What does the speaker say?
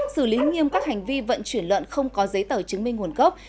xử lý nghiêm các hành vi vận chuyển lợn không có giấy tờ chứng minh nguồn gốc